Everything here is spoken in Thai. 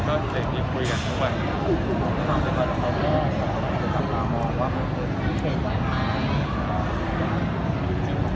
ขอบคุณมาก